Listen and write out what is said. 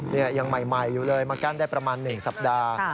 นี่ยังใหม่อยู่เลยมากั้นได้ประมาณ๑สัปดาห์